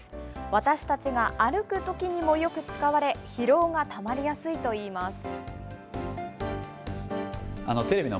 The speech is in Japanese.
私たちが歩くときにもよく使われ、疲労がたまりやすいといいます。